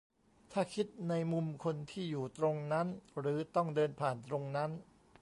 ถ้าคิดในมุมคนที่อยู่ตรงนั้นหรือต้องเดินผ่านตรงนั้น